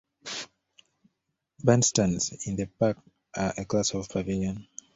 Bandstands in a park are a class of pavilion.